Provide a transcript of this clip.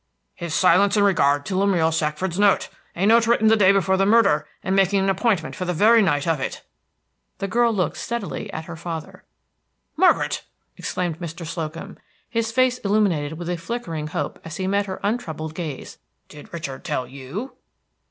"His silence in regard to Lemuel Shackford's note, a note written the day before the murder, and making an appointment for the very night of it." The girl looked steadily at her father. "Margaret!" exclaimed Mr. Slocum, his face illuminated with a flickering hope as he met her untroubled gaze, "did Richard tell _you?"